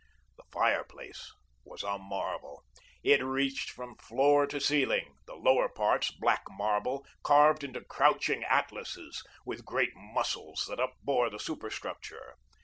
The fireplace was a marvel. It reached from floor to ceiling; the lower parts, black marble, carved into crouching Atlases, with great muscles that upbore the superstructure.